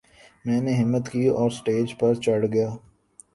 میں نے ہمت کی اور سٹیج پر چڑھ گیا